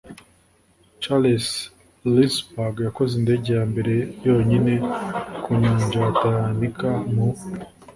Charles Lindbergh yakoze indege ya mbere yonyine ku nyanja ya Atalantika mu